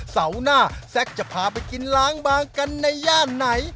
เศสเตอร์จะพาไปกินล้างบางกันในย่านไหน